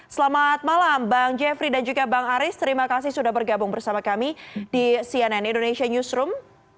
selamat malam bang jeffrey dan juga bang aris terima kasih sudah bergabung bersama kami di cnn indonesia newsroom